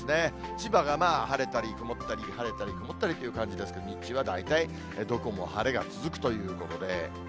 千葉が晴れたり曇ったり、晴れたり曇ったりという感じですけれども、日中は大体どこも晴れが続くということで。